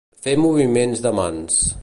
Fer moviments de mans.